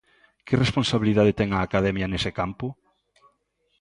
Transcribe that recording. Que responsabilidade ten a Academia nese campo?